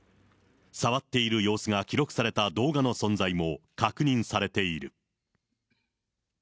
触っている様子が記録された動画の存在も確認されている。